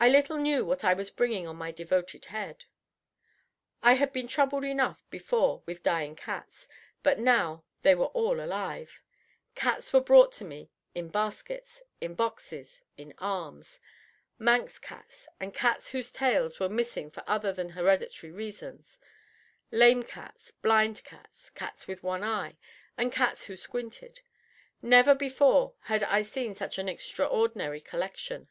I little knew what I was bringing on my devoted head. I had been troubled enough before with dying cats, but now they were all alive. Cats were brought to me in baskets, in boxes, in arms; Manx cats and cats whose tails were missing for other than hereditary reasons; lame cats, blind cats, cats with one eye, and cats who squinted. Never before had I seen such an extraordinary collection.